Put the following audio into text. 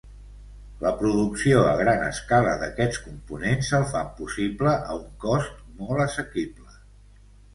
La producció a gran escala d'aquests components el fan possible a un cost molt assequible.